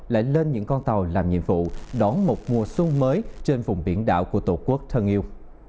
lại lên những con tàu làm nhiệm vụ đón một mùa xuân mới trên vùng biển đảo của tổ quốc thân yêu